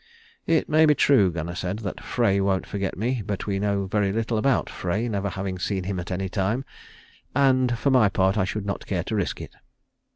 "It may be true," Gunnar said, "that Frey won't forget me, but we know very little about Frey, never having seen him at any time; and for my part I should not care to risk it."